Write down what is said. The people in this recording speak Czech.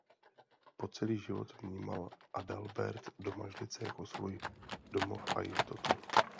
Po celý život vnímal Adalbert Domažlice jako svůj domov a jistotu.